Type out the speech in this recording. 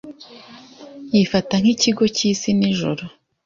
Yifata nk'ikigo cy'isi n'ijuru.